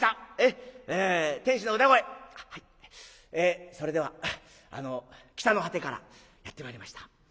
「えそれではあの北の果てからやって参りました。